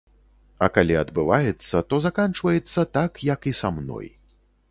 А калі адбываецца, то заканчваецца так, як і са мной.